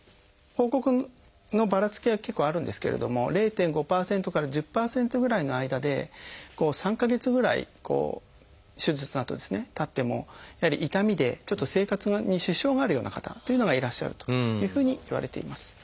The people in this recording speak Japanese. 報告のばらつきは結構あるんですけれども０．５％から１０％ぐらいの間で３か月ぐらい手術のあとたってもやはり痛みでちょっと生活に支障があるような方というのがいらっしゃるというふうにいわれています。